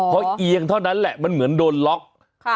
อ๋อเพราะเอียงเท่านั้นแหละมันเหมือนโดนล็อกค่ะ